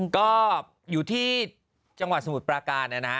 ก็อยู่ที่จังหวัดสมุทรปราการนะฮะ